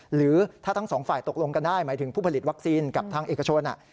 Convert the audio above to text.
หรือถ้าทั้งสองฝ่ายตกลงกันได้หมายถึงผู้ผลิตวัคซีนกับทางเอกชน